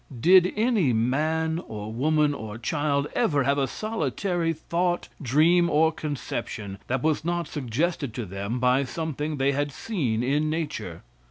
Did any man or woman or child ever have a solitary thought, dream or conception, that was not suggested to them by something they had seen in nature?